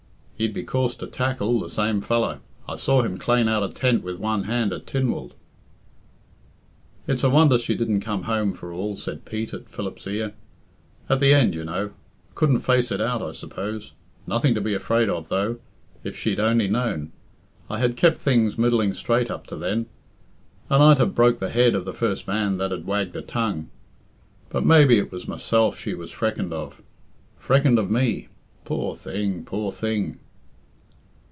"He'd be coarse to tackle, the same fellow I saw him clane out a tent with one hand at Tyn wald." "It's a wonder she didn't come home for all," said Pete at Philip's ear "at the end, you know. Couldn't face it out, I suppose? Nothing to be afraid of, though, if she'd only known. I had kept things middling straight up to then. And I'd have broke the head of the first man that'd wagged a tongue. But maybe it was myself she was freckened of! Freckened of me! Poor thing! poor thing!"